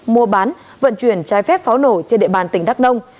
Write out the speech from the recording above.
mua bán vận chuyển trái phép pháo nổ trên địa bàn tỉnh đắk nông